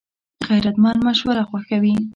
غیرتمند مشوره خوښوي